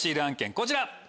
こちら。